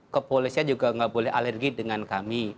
kepolisian juga nggak boleh alergi dengan kami